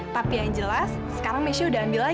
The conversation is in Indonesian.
tapi yang jelas sekarang mesya udah ambil